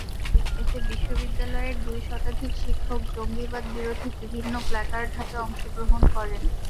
এতে বিশ্ববিদ্যালয়ের দুই শতাধিক শিক্ষক জঙ্গিবাদবিরোধী বিভিন্ন প্লাকার্ড হাতে অংশগ্রহণ করেন।